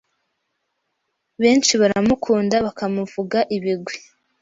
benshi baramukundaga bakamuvuga ibigwi